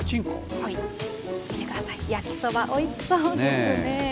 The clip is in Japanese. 見てください、焼きそば、おいしそうですねー。